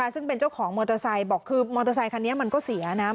ซึ่งเป็นเจ้าของมอเตอร์ไซค์บอกคือมอเตอร์ไซคันนี้มันก็เสียนะ